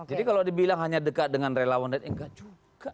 jadi kalau dibilang hanya dekat dengan relawan enggak juga